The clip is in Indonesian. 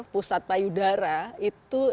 pusat payudara itu